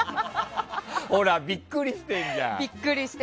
ほら、ビックリしてるじゃん。